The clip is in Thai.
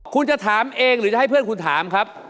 คุณจะถามเองหรือจะให้เพื่อนคุณถามครับ